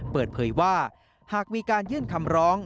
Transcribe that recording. เปิดเผยว่าหากมีการยื่นคำร้อง